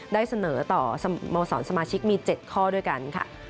ได้เสนอต่อสโมสรสมาชิกมี๗ข้อด้วยกันค่ะ